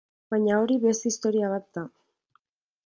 Baina hori beste historia bat da.